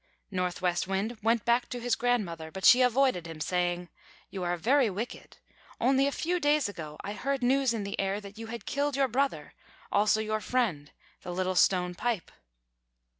Northwest Wind went back to his grandmother; but she avoided him, saying: "You are very wicked; only a few days ago, I heard news in the air, that you had killed your brother, also your friend, the Little Stone Pipe."